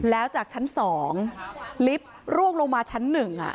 แล้วจากชั้นสองลิฟต์ร่วงลงมาชั้นหนึ่ง